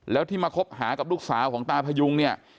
แล้วที่มาคบหากับลูกสาวของตาพยุงเนี่ย